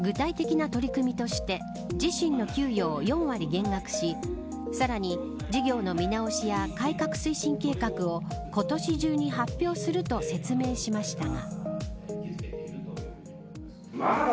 町長は具体的な取り組みとして自身の給与を４割減額しさらに事業の見直しや改革推進計画を今年中に発表すると説明しましたが。